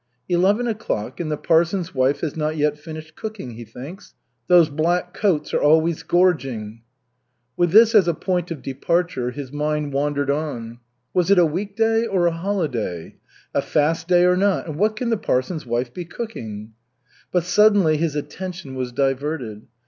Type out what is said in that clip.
"Eleven o'clock, and the parson's wife has not yet finished cooking," he thinks. "Those black coats are always gorging." With this as a point of departure, his mind wandered on. Was it a weekday or a holiday, a fast day or not, and what can the parson's wife be cooking? But suddenly his attention was diverted.